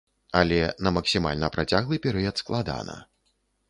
Але на максімальна працяглы перыяд складана.